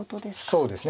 そうですね